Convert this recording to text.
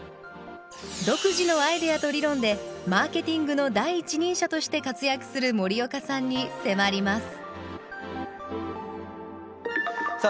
独自のアイデアと理論でマーケティングの第一人者として活躍する森岡さんにせまりますさあ